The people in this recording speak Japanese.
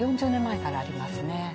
４０年前からありますね